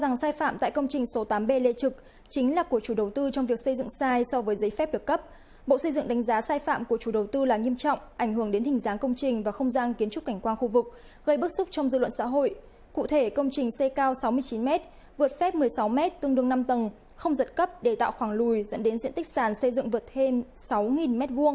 gây bức xúc trong dư luận xã hội cụ thể công trình xây cao sáu mươi chín m vượt phép một mươi sáu m tương đương năm tầng không giật cấp để tạo khoảng lùi dẫn đến diện tích sàn xây dựng vượt thêm sáu m hai